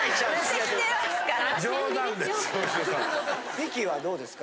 ミキはどうですか？